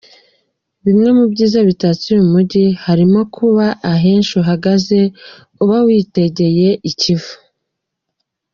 Bimwe mu byiza bitatse uyu mujyi, harimo kuba ahenshi uhagaze uba witegeye I Kivu .